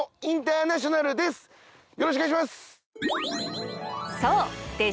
よろしくお願いします。